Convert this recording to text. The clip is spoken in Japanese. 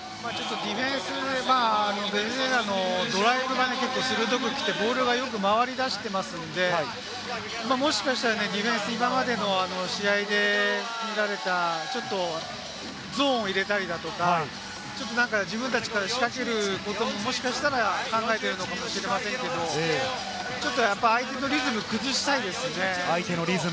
ディフェンス、ベネズエラのドライブが鋭くきて、ボールがよく回りだしてきてますんで、もしかしたらディフェンス、今までの試合で見られたちょっとゾーンを入れたりだとか、自分たちから仕掛けることも、もしかしたら考えているのかもしれませんけれども、相手のリズムを崩したいですよね。